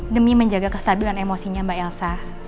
demi menjaga kestabilan emosinya mbak elsa